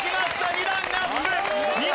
２段アップ！